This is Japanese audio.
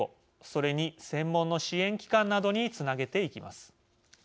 それに、専門の支援機関などにつなげていきます。